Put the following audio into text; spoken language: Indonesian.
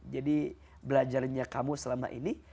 jadi belajarnya kamu selama ini